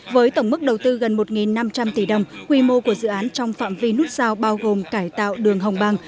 với tổng mức đầu tư gần một năm trăm linh tỷ đồng quy mô của dự án trong phạm vi nút giao bao gồm cải tạo đường hồng bang